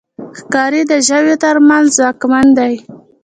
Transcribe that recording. ښکاري د ژويو تر منځ ځواکمن دی.